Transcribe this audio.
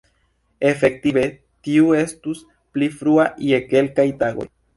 Efektive tiu estus pli frua je kelkaj tagoj.